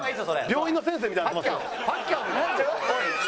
病院の先生みたいになってますよ。